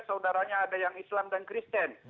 saudaranya ada yang islam dan kristen